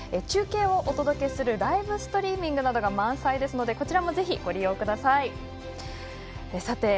中継をお届けするライブストリーミングなどが満載ですのでこちらもぜひご覧ください。